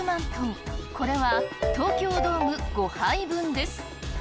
これは東京ドーム５杯分です。